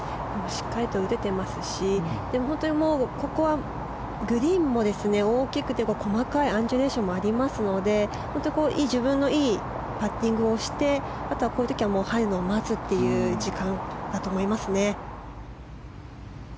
しっかりと打てていますしでも、本当にここはグリーンも大きくて細かいアンジュレーションもありますので自分のいいパッティングをしてあとは、こういう時は入るのを待つという時間だと思いますね。